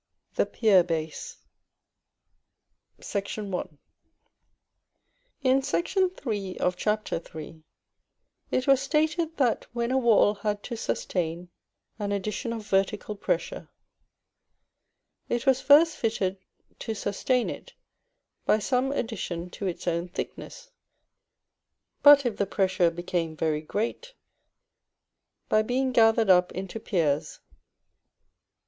THE PIER BASE. § I. In § III. of Chap. III., it was stated that when a wall had to sustain an addition of vertical pressure, it was first fitted to sustain it by some addition to its own thickness; but if the pressure became very great, by being gathered up into PIERS.